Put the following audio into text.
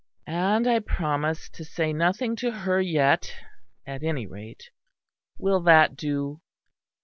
"And I promise to say nothing to her yet, at any rate. Will that do?